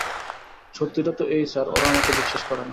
সত্যিটা তো এই স্যার, ওরা আমাকে বিশ্বাস করে না।